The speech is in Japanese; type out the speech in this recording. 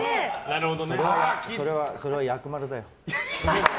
それは薬丸だよ。